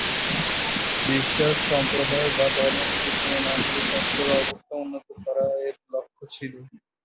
বিশ্বাস, সম্প্রদায় বা ধর্ম বিবেচনা না করে সকলের অবস্থা উন্নত করা এর লক্ষ্য ছিল।